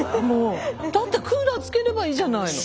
だってクーラーつければいいじゃないの。